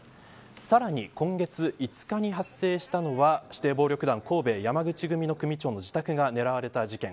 さらに、今月５日に発生したのは指定暴力団神戸山口組の組長の自宅が狙われた事件。